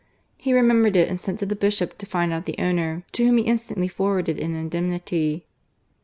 He remembered it and sent to the Bishop to find out the owner, to whom he instantly forwarded an indemnity.